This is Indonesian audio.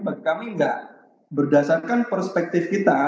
bagi kami enggak berdasarkan perspektif kita